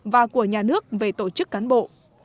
và của nhà nước về tổ chức cán bộ